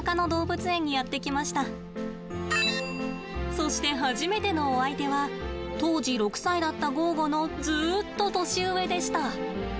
そして初めてのお相手は当時６歳だったゴーゴのずっと年上でした。